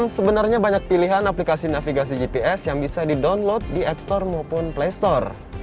sebenarnya banyak pilihan aplikasi navigasi gps yang bisa di download di app store maupun play store